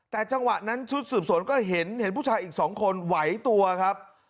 แต่จังหวะนั้นชุดสืบสวนก็เห็นผู้ชายอีก๒คนไหวตัวครับ